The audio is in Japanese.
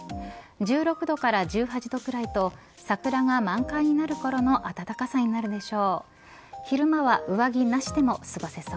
１６度から１８度くらいと桜が満開になるころの暖かさになるでしょう。